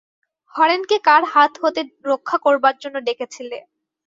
হরেনকে কার হাত হতে রক্ষা করবার জন্য ডেকেছিলে।